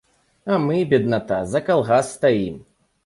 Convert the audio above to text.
А мы, бедната, за калгас стаім!